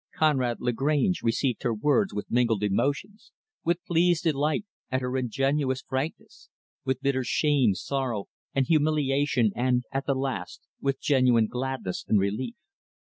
Conrad Lagrange received her words with mingled emotions with pleased delight at her ingenuous frankness; with bitter shame, sorrow, and humiliation and, at the last, with genuine gladness and relief.